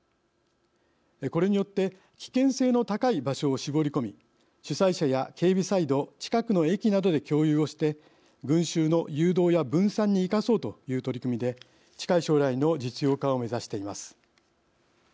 これによって危険性の高い場所を絞り込み主催者や警備サイド近くの駅などで共有をして群集の誘導や分散に生かそうという取り組みで近い将来の実用化を目指しています。